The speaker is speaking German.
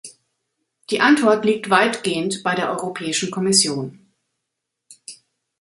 Die Antwort liegt weitgehend bei der Europäischen Kommission.